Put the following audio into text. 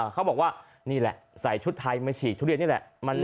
เขาบอกว่านี่แหละใส่ชุดไทยมาฉีกทุเรียนนี่แหละ